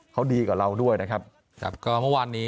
เขาดีกว่าเราด้วยนะครับครับก็เมื่อวานนี้